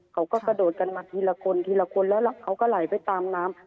เขาก็กระโดดกันมาทีละคนทีละคนแล้วเขาก็ไหลไปตามน้ำ